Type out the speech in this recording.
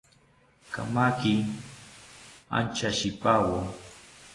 Kamaki anchashipawo